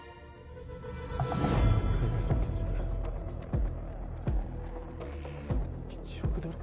海外送金１億ドル？